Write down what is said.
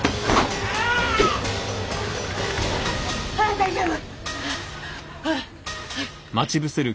大丈夫。